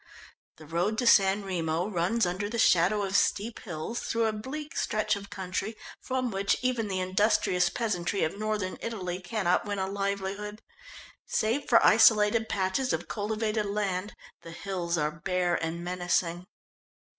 The road to San Remo runs under the shadow of steep hills through a bleak stretch of country from which even the industrious peasantry of northern Italy cannot win a livelihood. Save for isolated patches of cultivated land, the hills are bare and menacing.